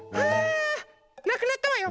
なくなったわよ。